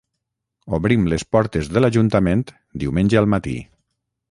obrim les portes de l'Ajuntament diumenge al matí